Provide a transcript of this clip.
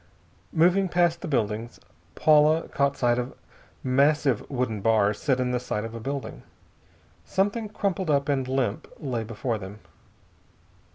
Moving past the buildings, Paula caught sight of massive wooden bars set in the side of a building. Something crumpled up and limp lay before them.